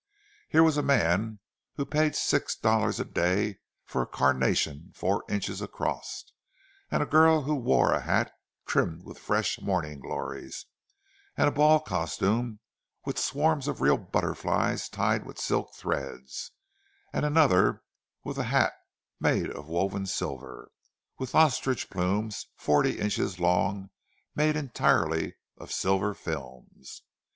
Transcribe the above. Here was a man who paid six dollars a day for a carnation four inches across; and a girl who wore a hat trimmed with fresh morning glories, and a ball costume with swarms of real butterflies tied with silk threads; and another with a hat made of woven silver, with ostrich plumes forty inches long made entirely of silver films.